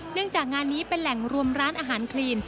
จากงานนี้เป็นแหล่งรวมร้านอาหารคลีน